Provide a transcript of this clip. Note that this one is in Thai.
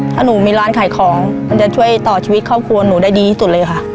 ถ้าหนูมีร้านขายของมันจะช่วยต่อชีวิตครอบครัวหนูได้ดีที่สุดเลยค่ะ